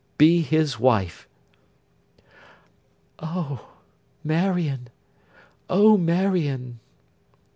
be his wife!' 'O Marion! O Marion!